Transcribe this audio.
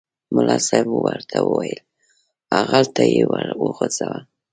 ملا صاحب ورته وویل هوغلته یې وغورځوه.